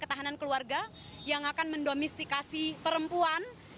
ketahanan keluarga yang akan mendomestikasi perempuan